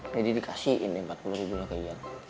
jadi dikasihin deh rp empat puluh nya ke ian